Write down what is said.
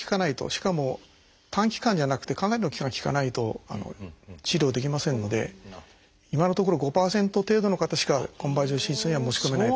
しかも短期間じゃなくてかなりの期間効かないと治療できませんので今のところ５％程度の方しかコンバージョン手術には持ち込めないと。